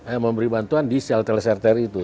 yang memberi bantuan di shelter shelter itu